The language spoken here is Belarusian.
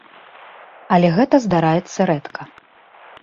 Але гэта здараецца рэдка.